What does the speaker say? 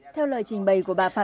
theo lời trình bày của bà phạm